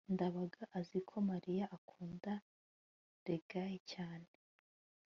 ndabaga azi ko mariya akunda reggae cyane